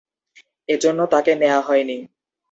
এজন্য তাকে নেয়া হয়নি।